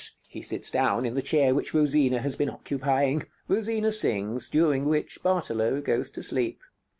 _[He sits down in the chair which Rosina has been occupying. Rosina sings, during which Bartolo goes to sleep.